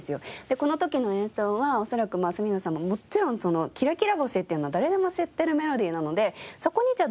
この時の演奏は恐らく角野さんももちろんその『きらきら星』っていうのは誰でも知ってるメロディーなのでそこにじゃあ